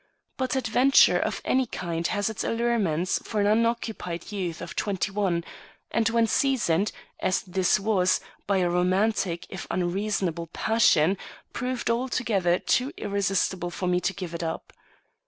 But adventure of any kind has its allurements for an unoccupied youth of twenty one, and when seasoned, as this was, by a romantic, if unreasonable, passion, proved altogether too irresistible for me to give it up.